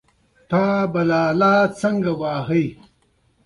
شربت د خوږو ذوق غښتلی کوي